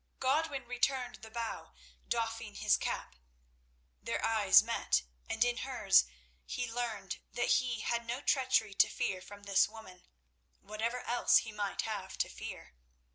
Godwin returned the bow, doffing his cap. Their eyes met and in hers he learned that he had no treachery to fear from this woman, whatever else he might have to fear.